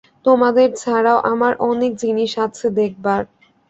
তোমাদের ছাড়াও আমার অনেক জিনিষ আছে দেখবার।